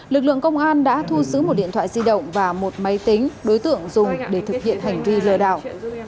lực lượng công an đã thu giữ một điện thoại di động và một máy tính đối tượng dùng để thực hiện hành vi lừa đảo